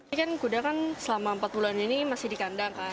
ini kan kuda kan selama empat bulan ini masih di kandang kan